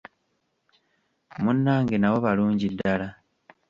Munnange nabo balungi ddala.